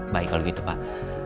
baik kalau gitu pak